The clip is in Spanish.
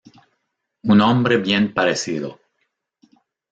Un hombre bien parecido".